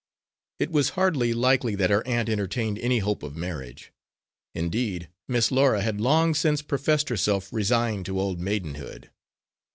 It was hardly likely that her aunt entertained any hope of marriage; indeed, Miss Laura had long since professed herself resigned to old maidenhood.